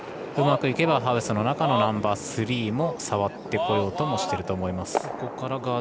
うまくいけばハウスの中のナンバースリーも触ってこようともしてると思います。